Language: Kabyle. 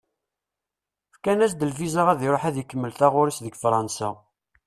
Fkan-as-d lviza ad iṛuḥ ad ikemmel taɣuṛi-s deg Fransa.